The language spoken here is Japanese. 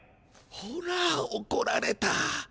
ほらおこられた。